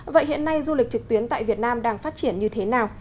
vậy hiện nay du lịch trực tuyến tại việt nam đang phát triển như thế nào